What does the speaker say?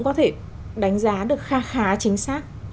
có thể đánh giá được khá khá chính xác